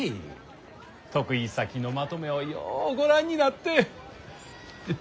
得意先のまとめをようご覧になって。